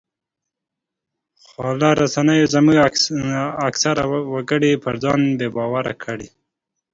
خواله رسنیو زموږ اکثره وګړي پر ځان بې باوره کړي